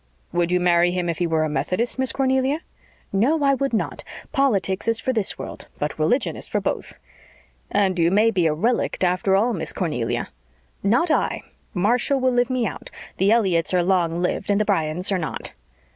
"Would you marry him if he were a Methodist, Miss Cornelia?" "No, I would not. Politics is for this world, but religion is for both." "And you may be a 'relict' after all, Miss Cornelia." "Not I. Marshall will live me out. The Elliotts are long lived, and the Bryants are not."